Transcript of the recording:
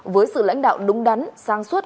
với sự lãnh đạo đúng đắn sang suốt